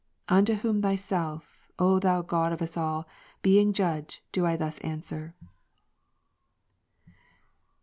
Unto whom, Thyself, O Thou God of us all, being Judge, do I thus answer: [XV.